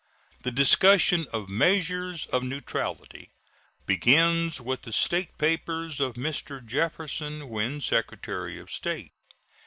The discussion of measures of neutrality begins with the State papers of Mr. Jefferson when Secretary of State.